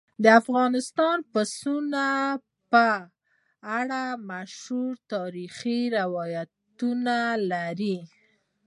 افغانستان د پسونو په اړه مشهور تاریخي روایتونه لري.